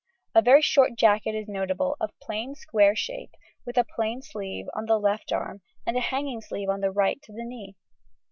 A very short jacket is notable, of a plain square shape, with a plain sleeve on the left arm and a hanging sleeve on the right to the knee.